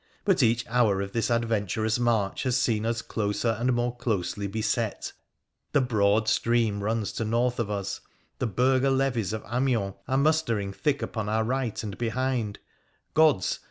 But each hour of this adventurous march has seen us closer and more closely beset. The broad stream runs to north of us, the burgher levies of Amiens are mustering thick upon our right and behind, Gods